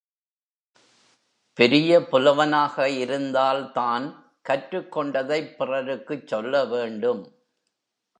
பெரிய புலவனாக இருந்தால், தான் கற்றுக்கொண்டதைப் பிறருக்குச் சொல்ல வேண்டும்.